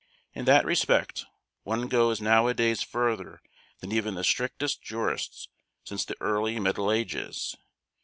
In that respect one goes now a days further than even the strictest jurists since the early middle ages.